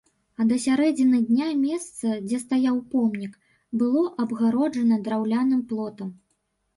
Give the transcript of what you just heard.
А да сярэдзіны дня месца, дзе стаяў помнік, было абгароджана драўляным плотам.